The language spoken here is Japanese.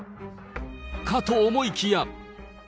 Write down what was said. かと思いきや。